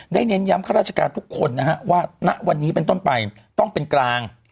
เน้นย้ำข้าราชการทุกคนนะฮะว่าณวันนี้เป็นต้นไปต้องเป็นกลาง